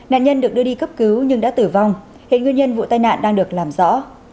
nạn nhân được đưa đi cấp cứu nhưng đã tử vong hiện nguyên nhân vụ tai nạn đang được làm rõ